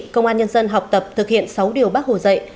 công an nhân dân học tập thực hiện sáu điều bác hồ dạy